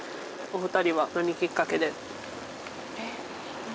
お二人は何きっかけで？